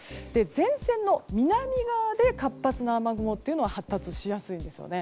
前線の南側で活発な雨雲というのは発達しやすいんですよね。